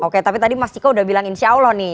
oke tapi tadi mas ciko udah bilang insya allah nih